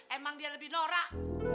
emang dia lebih norak